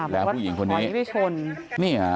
และผู้หญิงคนนี้